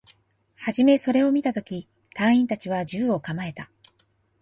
はじめそれを見たとき、隊員達は銃を構えた